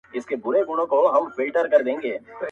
بیرته یوسه خپل راوړي سوغاتونه؛